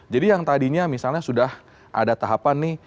jadi yang tadinya misalnya sudah ada tahapan nih